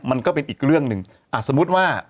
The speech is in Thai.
มันก็เป็นอีกเรื่องหนึ่งสมมุติว่า